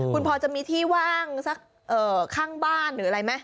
คุณพอจะมีที่ว่างสักข้างบ้านหรืออะไรไหม